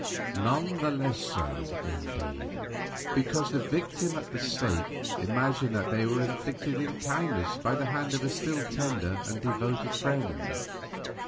None the less so, indeed, because the victim at the stake imagined that they were inflicted in kindness by the hand of a still tender and devoted friend.